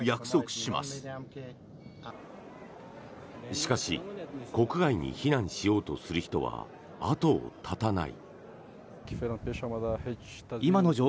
しかし国外に避難しようとする人は後を絶たない。